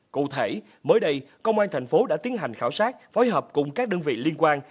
cụ thể mới đây công an thành phố đã tiến hành khảo sát phối hợp cùng các đơn vị liên quan